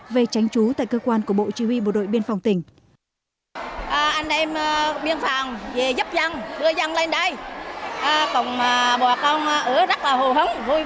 về tránh trú tại cơ quan của bộ chỉ huy bộ đội biên phòng tỉnh